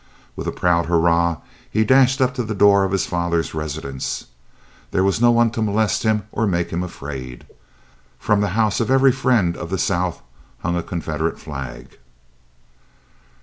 With a proud hurrah he dashed up to the door of his father's residence; there was no one to molest him or make him afraid. From the house of every friend of the South hung a Confederate flag.